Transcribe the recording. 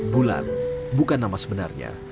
bulan bukan nama sebenarnya